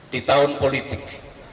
di tahun politik